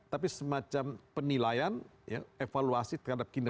tapi semacam penilaian evaluasi terhadap kinerja